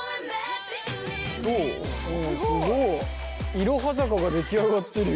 いろは坂が出来上がってるよ。